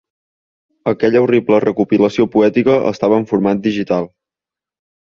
Aquella horrible recopilació poètica estava en format digital.